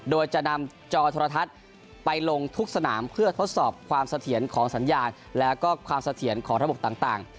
โดยจะนำจอโทรทัศน์ไปลงทุกสนามเพื่อทดสอบความเสถียรของสัญญาณแล้วก็ความเสถียรของระบบต่าง